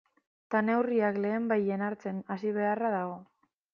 Eta neurriak lehenbailehen hartzen hasi beharra dago.